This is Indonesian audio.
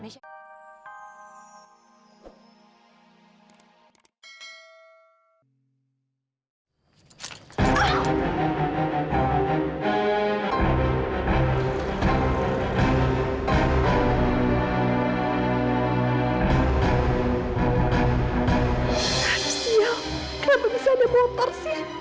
sial kenapa bisa ada motor sih